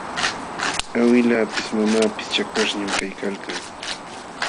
Awillapis mamapis chawaśhñam kaykalkan.